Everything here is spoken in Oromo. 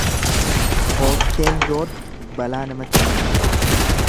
Kootteen joortu balaa namatti fiddi.